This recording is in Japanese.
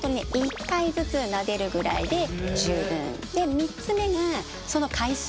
３つ目がその回数。